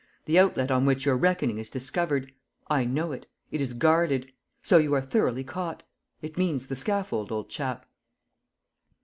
The outlet on which you're reckoning is discovered; I know it: it is guarded. So you are thoroughly caught. It means the scaffold, old chap."